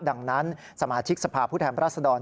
ดังนั้นสมาชิกสภาพภูเทมราษฎร